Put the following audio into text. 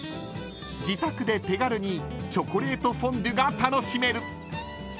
［自宅で手軽にチョコレートフォンデュが楽しめる！］